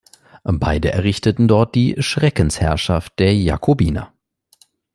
Beide errichteten dort die "Schreckensherrschaft" der Jakobiner.